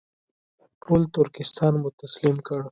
ټول ترکستان مو تسلیم کړ.